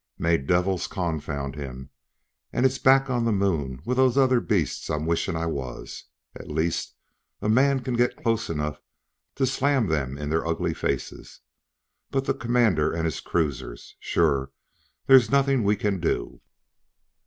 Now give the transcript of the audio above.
"May divils confound him! And it's back on the Moon with those other beasts I'm wishin' I was. At least a man can get close enough to slam them in their ugly faces; but the Commander and his cruisers! Sure, there's nothin' we can do!"